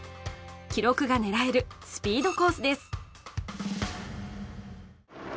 記録が狙えるスピードコースです。